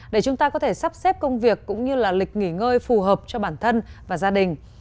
để chúng ta có thể sắp xếp công việc cũng như là lịch nghỉ ngơi phù hợp cho bản thân và gia đình